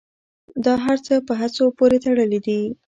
دا هر څه په هڅو پورې تړلي دي.